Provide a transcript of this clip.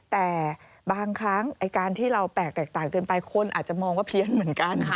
แต่บางครั้งการที่เราแปลกแตกต่างเกินไปคนอาจจะมองว่าเพี้ยนเหมือนกัน